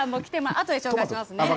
あとで紹介しますね。